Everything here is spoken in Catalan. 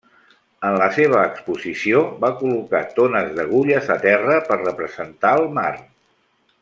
En la seva exposició va col·locar tones d'agulles a terra per representar el mar.